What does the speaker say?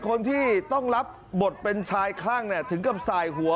คนที่ต้องรับบทเป็นชายคลั่งถึงกับสายหัว